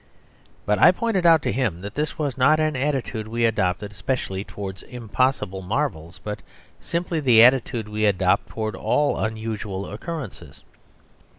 But I pointed out to him that this was not an attitude we adopt specially towards impossible marvels, but simply the attitude we adopt towards all unusual occurrences.